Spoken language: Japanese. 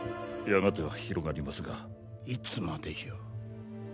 やがては広がりますがいつまでじゃ？